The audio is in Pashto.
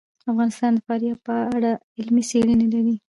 افغانستان د فاریاب په اړه علمي څېړنې لري.